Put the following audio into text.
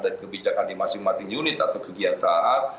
dan kebijakan di masing masing unit atau kegiatan